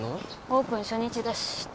オープン初日だし。